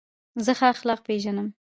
زه ښه اخلاق پېژنم.